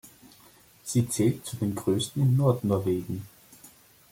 Sie zählt zu den Größten in Nord-Norwegen.